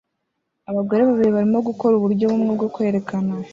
Abagore babiri barimo gukora uburyo bumwe bwo kwerekana